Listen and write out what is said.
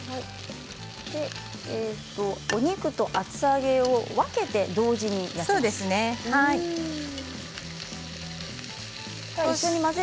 お肉と厚揚げを分けて同時に焼く。